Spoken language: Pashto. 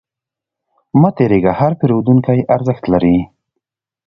مه تریږه، هر پیرودونکی ارزښت لري.